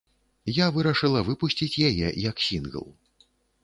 Я вырашыла выпусціць яе як сінгл.